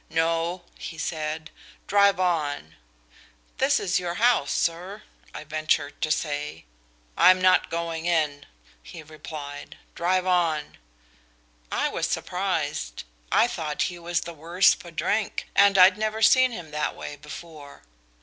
'No,' he said. 'Drive on.' 'This is your house, sir,' I ventured to say. 'I'm not going in,' he replied, 'drive on.' I was surprised. I thought he was the worse for drink, and I'd never seen him that way before.